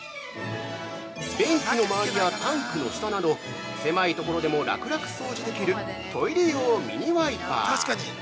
◆便器の周りやタンクの下など狭いところでも楽々掃除できるトイレ用ミニワイパー。